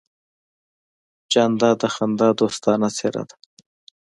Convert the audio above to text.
جانداد د خندا دوستانه څېرہ ده.